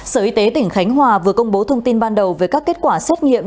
sở y tế tỉnh khánh hòa vừa công bố thông tin ban đầu về các kết quả xét nghiệm